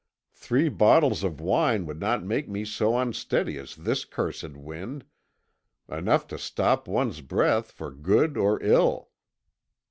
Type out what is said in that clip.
Three bottles of wine would not make me so unsteady as this cursed wind enough to stop one's breath for good or ill.